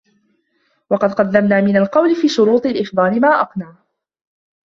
وَقَدْ قَدَّمْنَا مِنْ الْقَوْلِ فِي شُرُوطِ الْإِفْضَالِ مَا أَقْنَعَ